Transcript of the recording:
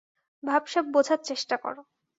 ভাবসাব বোঝার চেষ্টা করো।